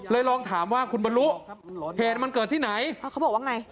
ลองถามว่าคุณบรรลุเหตุมันเกิดที่ไหนเขาบอกว่าไง